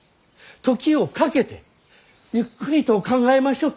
時をかけてゆっくりと考えましょう。